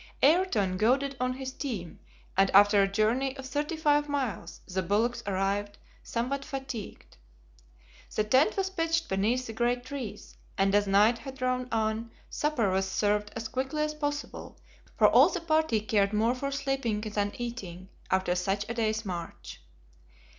Ayrton goaded on his team, and after a journey of thirty five miles, the bullocks arrived, somewhat fatigued. The tent was pitched beneath the great trees, and as night had drawn on supper was served as quickly as possible, for all the party cared more for sleeping than eating, after such a day's march.